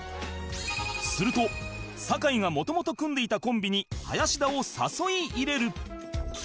すると酒井が元々組んでいたコンビに林田を誘い入れる